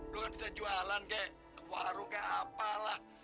lo kan bisa jualan kayak warung kayak apalah